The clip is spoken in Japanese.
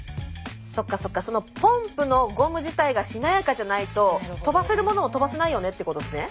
そっかそっかポンプのゴム自体がしなやかじゃないと飛ばせるものも飛ばせないよねってことですね？